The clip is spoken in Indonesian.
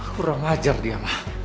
kurang ajar dia ma